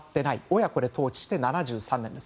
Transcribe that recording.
親子で統治して７３年です。